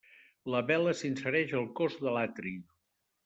La vela s'insereix al cos de l'atri.